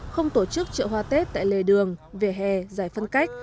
không tổ chức chợ hoa tết tại lề đường vỉa hè giải phân cách